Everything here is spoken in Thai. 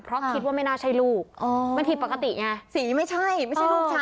เพราะคิดว่าไม่น่าใช่ลูกมันผิดปกติไงสีไม่ใช่ไม่ใช่ลูกชาย